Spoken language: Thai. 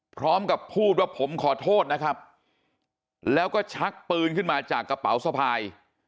พร้อมกับพูดว่าผมขอโทษนะครับแล้วก็ชักปืนขึ้นมาจากกระเป๋าสะพาย